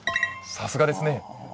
さすがですね！